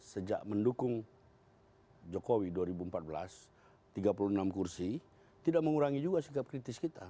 sejak mendukung jokowi dua ribu empat belas tiga puluh enam kursi tidak mengurangi juga sikap kritis kita